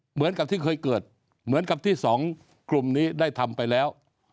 เหมือนกับที่เคยเกิดเหมือนกับที่สองกลุ่มนี้ได้ทำไปแล้ว